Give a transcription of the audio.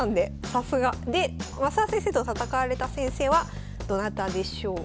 さすが。で升田先生と戦われた先生はどなたでしょう。